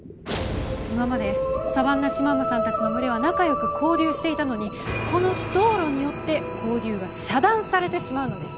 今までサバンナシマウマさんたちの群れは仲よく交流していたのにこの道路によって交流は遮断されてしまうのです。